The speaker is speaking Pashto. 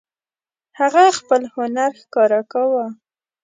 هغه خپل هنر ښکاره کاوه.